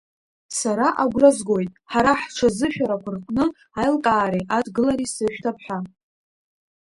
Сара агәра згоит, ҳара ҳҽазышәарақәа рҟны аилкаареи адгылареи сышәҭап ҳәа.